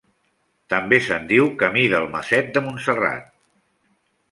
També se'n diu camí del Maset de Montserrat.